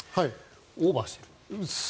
オーバーしている。